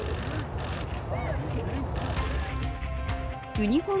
ユニフォーム